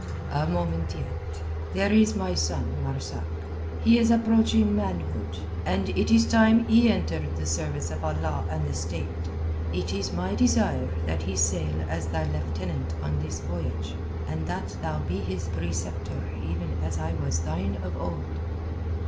"A moment yet. There is my son Marzak. He is approaching manhood, and it is time he entered the service of Allah and the State. It is my desire that he sail as thy lieutenant on this voyage, and that thou be his preceptor even as I was thine of old."